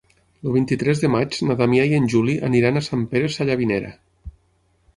El vint-i-tres de maig na Damià i en Juli aniran a Sant Pere Sallavinera.